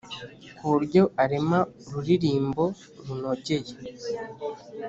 ku buryo arema ururirimbo runogeye